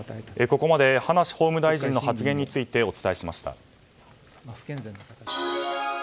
ここまで葉梨法務大臣の説明についてお伝えしました。